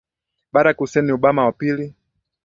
Barack Hussein Obama wa pili